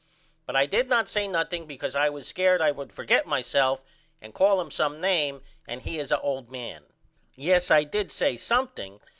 But I did not say nothing because I was scared I would forget myself and call him some name and he is a old man. Yes I did say something.